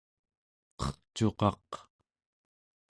qercuqaq